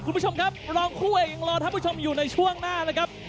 คุณผู้ชมครับรองคู่เอกยังรอท่านผู้ชมอยู่ในช่วงหน้านะครับ